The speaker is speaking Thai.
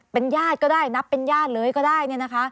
เป็นญาติก็ได้นับเป็นญาติเลยก็ได้